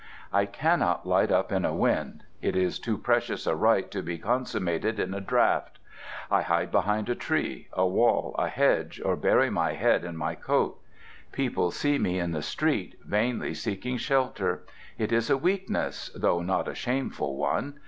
I cannot light up in a wind. It is too precious a rite to be consummated in a draught. I hide behind a tree, a wall, a hedge, or bury my head in my coat. People see me in the street, vainly seeking shelter. It is a weakness, though not a shameful one.